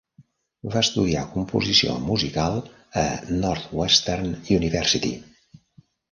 Va estudiar composició musical a Northwestern University.